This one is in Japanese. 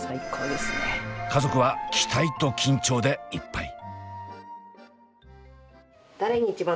家族は期待と緊張でいっぱい。